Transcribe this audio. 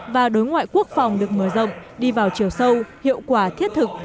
và đối ngoại quốc phòng được mở rộng đi vào chiều sâu hiệu quả thiết thực